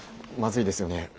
まずいですよね